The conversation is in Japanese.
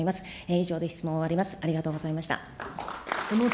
以上で質問を終わります。